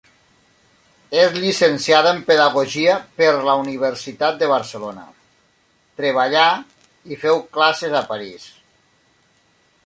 És llicenciada en Pedagogia per la Universitat de Barcelona, treballà i feu classes a París.